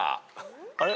あれ？